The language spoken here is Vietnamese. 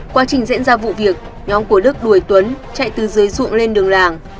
quá trình diễn ra vụ việc nhóm của đức đuổi tuấn chạy từ dưới ruộng lên đường làng